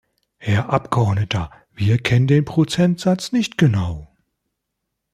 Herr Abgeordneter, wir kennen den Prozentsatz nicht genau.